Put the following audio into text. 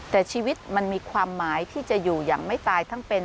แต่ชีวิตมันมีความหมายที่จะอยู่อย่างไม่ตายทั้งเป็น